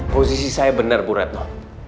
posisi saya benar bu retno